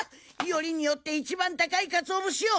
よりによって一番高いカツオ節を！